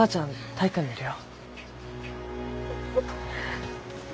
体育館にいるよ。